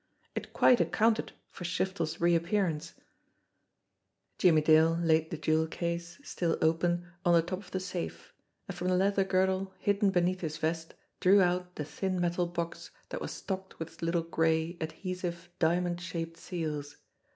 It quite accounted for Shiftel's reappearance ! Jimmie Dale laid the jewel case, still open, on the top of the safe, and from the leather girdle hidden beneath his vest drew out the thin metal box that was stocked with its little gray, adhesive, diamond shaped seals.